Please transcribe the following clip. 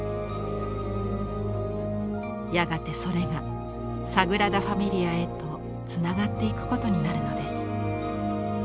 やがてそれがサグラダ・ファミリアへとつながっていくことになるのです。